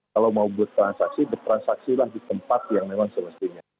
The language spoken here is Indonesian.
kalau mau buat transaksi buat transaksi lagi tempat yang memang semestinya